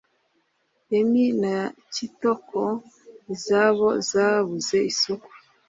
Emmy na Kitoko izabo zabuze isoko